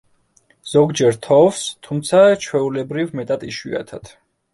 ზოგჯერ თოვს, თუმცა ჩვეულებრივ მეტად იშვიათად.